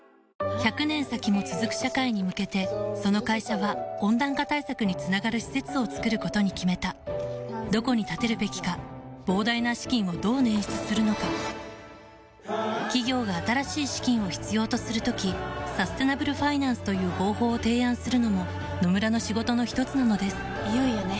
１００年先も続く社会に向けてその会社は温暖化対策につながる施設を作ることに決めたどこに建てるべきか膨大な資金をどう捻出するのか企業が新しい資金を必要とする時サステナブルファイナンスという方法を提案するのも野村の仕事のひとつなのですいよいよね。